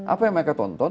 apa yang mereka tonton